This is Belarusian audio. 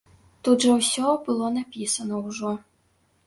Тут жа ўсё было напісана ўжо.